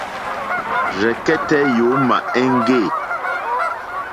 Rzɛ̀kɛ́tɛ́ yǒmà éŋɡê.